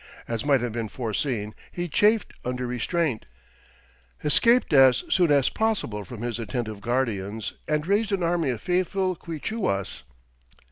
As might have been foreseen, he chafed under restraint, escaped as soon as possible from his attentive guardians, and raised an army of faithful Quichuas.